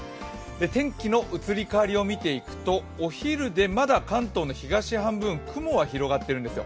天気の移り変わりを見ていくと、お昼でまだ関東の東半分、雲が広がっているんですよ。